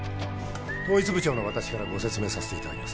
統一部長の私からご説明させて頂きます。